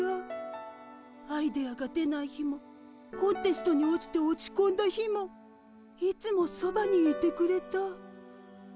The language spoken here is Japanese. アイデアが出ない日もコンテストに落ちて落ちこんだ日もいつもそばにいてくれた。